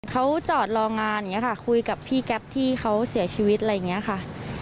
เขาจอดรองานอย่างนี้ค่ะคุยกับพี่แก๊ปที่เขาเสียชีวิตอะไรอย่างนี้ค่ะ